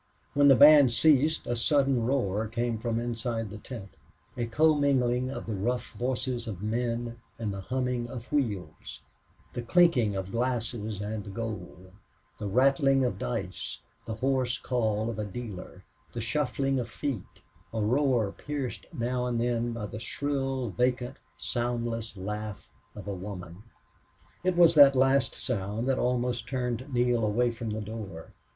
When the band ceased a sudden roar came from inside the big tent, a commingling of the rough voices of men and the humming of wheels, the clinking of glasses and gold, the rattling of dice, the hoarse call of a dealer, the shuffling of feet a roar pierced now and then by the shrill, vacant, soundless laugh of a woman. It was that last sound which almost turned Neale away from the door.